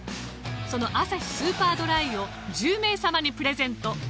そのアサヒスーパードライを１０名様にプレゼント。